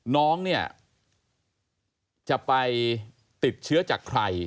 น้องเนี่ยจะไปติดเชื้อจากใคร